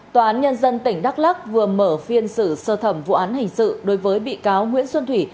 tòa án nhân dân tỉnh đắk lắc vừa mở phiên xử sơ thẩm vụ án hình sự đối với bị cáo nguyễn xuân thủy